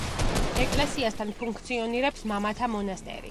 ეკლესიასთან ფუნქციონირებს მამათა მონასტერი.